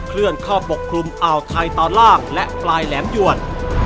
เคลื่อนเข้าปกคลุมอ่าวไทยตอนล่างและปลายแหลมหยวน